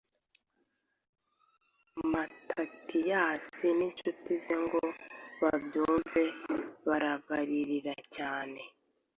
matatiyasi n'incuti ze ngo babyumve barabaririra cyane